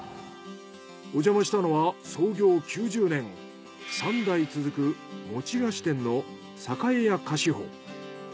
おじゃましたのは創業９０年３代続く餅菓子店の栄屋菓子舗。